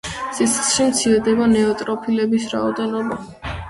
სისხლში მცირდება ნეიტროფილების რაოდენობა.